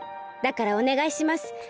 だからおねがいします。